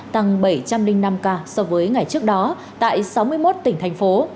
tăng bảy trăm linh năm ca so với ngày trước đó tại sáu mươi một tỉnh thành phố